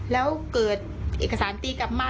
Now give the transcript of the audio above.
แล้วเกิดเอกสารตีกลับมา